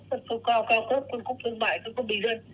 phân khúc cao phân khúc thương mại phân khúc bì dân